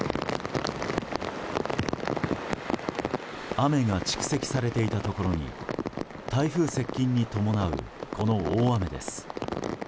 雨が蓄積されていたところに台風接近に伴うこの大雨です。